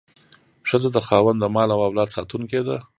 ښځه د خاوند د مال او اولاد ساتونکې ده.